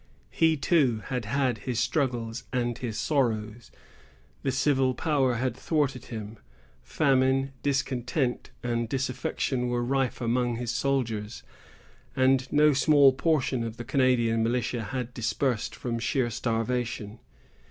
He, too, had had his struggles and his sorrows. The civil power had thwarted him; famine, discontent, and disaffection were rife among his soldiers; and no small portion of the Canadian militia had dispersed from sheer starvation.